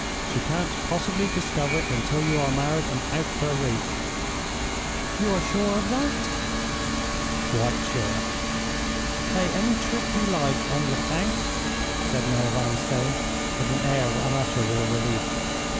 "She can't possibly discover it until you are married and out of her reach." "You are sure of that?" "Quite sure." "Play any trick you like on Lecount," said Noel Vanstone, with an air of unutterable relief.